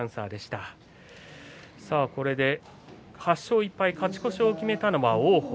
これで８勝１敗勝ち越しを決めたのは王鵬。